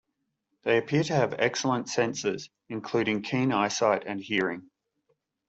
They appear to have excellent senses, including keen eyesight and hearing.